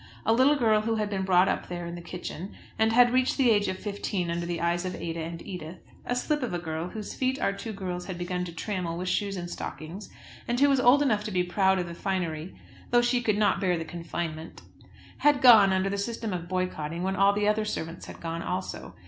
A little girl who had been brought up there in the kitchen, and had reached the age of fifteen under the eyes of Ada and Edith, a slip of a girl, whose feet our two girls had begun to trammel with shoes and stockings, and who was old enough to be proud of the finery though she could not bear the confinement, had gone under the system of boycotting, when all the other servants had gone also.